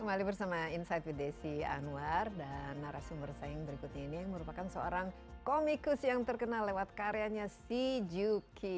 kembali bersama insight with desi anwar dan narasumber saya yang berikutnya ini yang merupakan seorang komikus yang terkenal lewat karyanya si juki